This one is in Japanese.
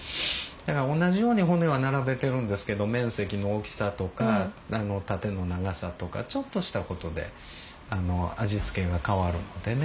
だから同じように骨は並べてるんですけど面積の大きさとか縦の長さとかちょっとした事で味付けが変わるのでね。